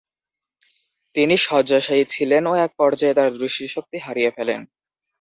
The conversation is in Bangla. তিনি শয্যাশায়ী ছিলেন ও একপর্যায়ে তার দৃষ্টিশক্তি হারিয়ে ফেলেন ।